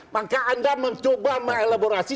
maka anda mencoba meleborasi